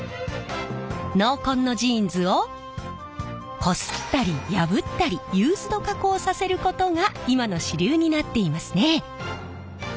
濃紺のジーンズをこすったり破ったりユーズド加工させることが今の主流になっていますね。